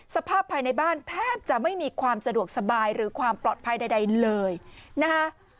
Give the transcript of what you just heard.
สภาพภายในบ้านแทบจะไม่มีความสะดวกสบายหรือความปลอดภัยใดเลยนะคะ